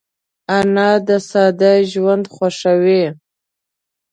انا د ساده ژوند خوښوي